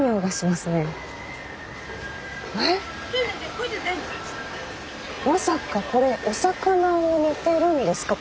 まさかこれお魚を煮てるんですか？